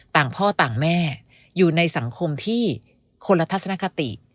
พ่อต่างแม่อยู่ในสังคมที่คนละทัศนคติ